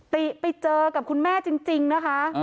ติไปเจอกับคุณแม่จริงนะคะ